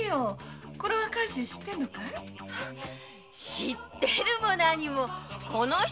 知ってるも何もこの人